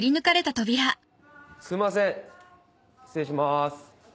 すんません失礼します。